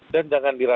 dan jangan dilaporkan